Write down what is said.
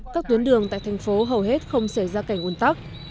các tuyến đường tại thành phố hầu hết không xảy ra cảnh ủn tắc